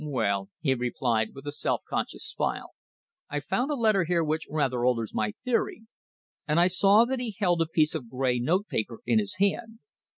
"Well," he replied with a self conscious smile, "I've found a letter here which rather alters my theory," and I saw that he held a piece of grey notepaper in his hand.